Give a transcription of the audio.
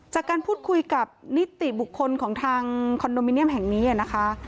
จากการพูดคุยกับนิติบุคคลของทางคอนโดมิเนียมแห่งนี้นะคะ